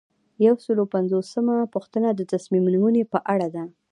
یو سل او پنځوسمه پوښتنه د تصمیم نیونې په اړه ده.